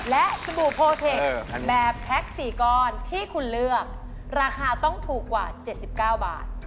และสบู่โพเทคแบบแพ็ค๔ก้อนที่คุณเลือกราคาต้องถูกกว่า๗๙บาท